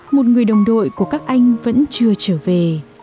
một người đồng đội của các anh vẫn chưa trở về